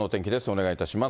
お願いいたします。